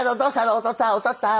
おとっつぁんおとっつぁん。